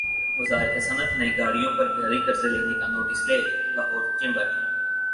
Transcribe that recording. وزارت صنعت نئی گاڑیوں پر بھاری قرضہ لینے کا ںوٹس لے لاہور چیمبر